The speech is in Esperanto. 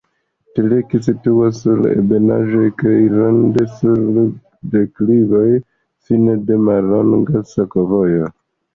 Teleki situas sur ebenaĵo kaj rande sur deklivoj, fine de mallonga sakovojo.